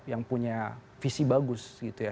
yang punya visi bagus gitu ya